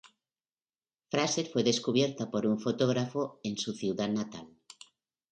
Fraser fue descubierta por un fotógrafo en su ciudad natal.